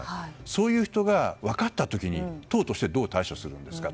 そういう人が、分かった時に党としてどう対処するんですか。